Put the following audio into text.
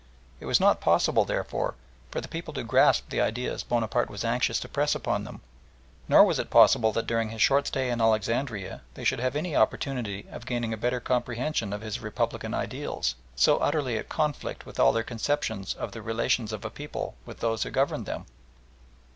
It was not possible, therefore, for the people to grasp the ideas Bonaparte was anxious to press upon them, nor was it possible that during his short stay in Alexandria they should have any opportunity of gaining a better comprehension of his Republican ideals, so utterly at conflict with all their conceptions of the relations of a people with those who governed them.